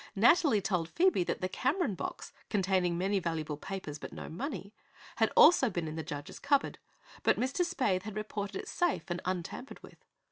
Nathalie told Phoebe that the Cameron box, containing many valuable papers but no money, had also been in the judge's cupboard, but Mr. Spaythe had reported it safe and untampered with.